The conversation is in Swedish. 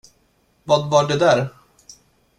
Vad var det där?